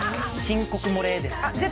申告漏れですかね。